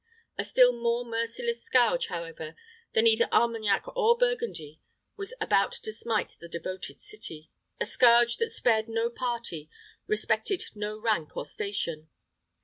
A still more merciless scourge, however, than either Armagnac or Burgundy was about to smite the devoted city a scourge that spared no party, respected no rank or station.